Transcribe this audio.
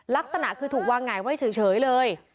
ลักษณะคือถูกวางหงายไว้เฉยเลย